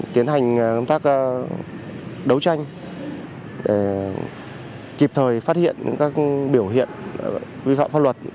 tiến hành công tác đấu tranh để kịp thời phát hiện các biểu hiện vi phạm pháp luật